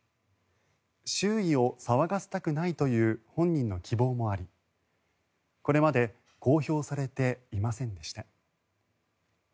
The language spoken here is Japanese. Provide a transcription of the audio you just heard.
周囲を騒がせたくないという本人の希望もありこれまで公表されていませんでした。